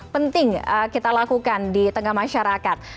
penting kita lakukan di tengah masyarakat